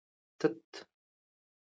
تت